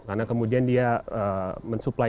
karena kemudian dia mensupply